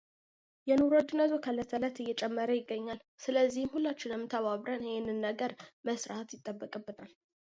In their color and stature, these structures suggested regal grandeur.